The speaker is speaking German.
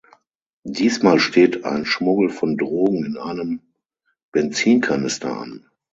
Diesmal steht ein Schmuggel von Drogen in einem Benzinkanister an.